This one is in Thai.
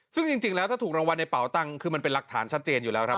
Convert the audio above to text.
ซึ่งจริงแล้วถ้าถูกรางวัลในเป่าตังค์คือมันเป็นหลักฐานชัดเจนอยู่แล้วครับ